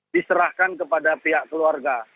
diserahkan kepada pihak keluarga